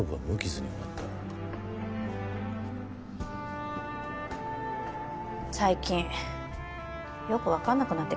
最近よくわかんなくなってきちゃった。